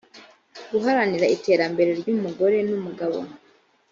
guharanira iterambere ry umugore n umugabo